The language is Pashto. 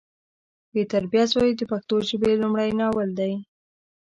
بې تربیه زوی د پښتو ژبې لمړی ناول دی